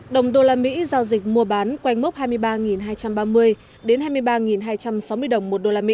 đồng usd giao dịch mua bán quanh mốc hai mươi ba hai trăm ba mươi đến hai mươi ba hai trăm sáu mươi đồng một usd